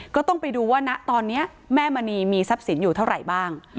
ก็ต้องไปดูว่านะตอนนี้แม่มณีมีทรัพย์สินอยู่เท่าไหร่บ้าง